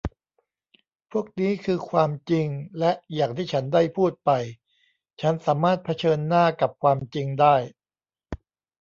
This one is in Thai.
พวกนี้คือความจริงและอย่างที่ฉันได้พูดไป ฉันสามารถเผชิญหน้ากับความจริงได้